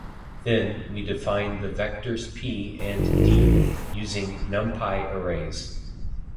Then, we define the vectors p and d using numpy arrays.